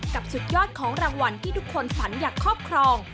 สุดยอดของรางวัลที่ทุกคนฝันอยากครอบครอง